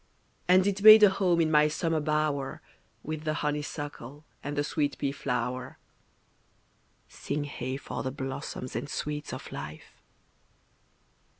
And it made a home in my summer bower With the honeysuckle and the sweet pea flower. (Sing hey! for the blossoms and sweets of life!)